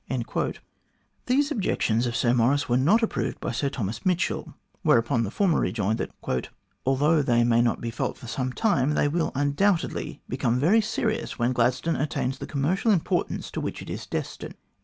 142 THE GLADSTONE COLONY These objections of Sir Maurice were not approved by Sir Thomas Mitchell, whereupon the former rejoined that "although they may not be felt for some time, they will undoubtedly become very serious when Gladstone attains the commercial importance to which it is destined."